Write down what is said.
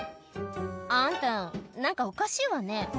「あんた何かおかしいわね」